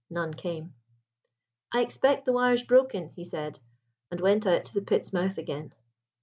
None came. "I expect the wire's broken," he said, and went out to the pit's mouth again.